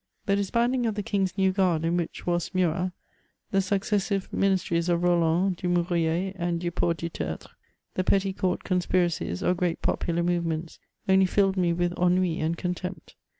The dishanding of the king's new guard, in which was Murat; the successive ministries of Roland, Dumouriez, and Duport du Tertre ; the petty court conspiracies, or great popular movements, only filled me with ennui and contempt.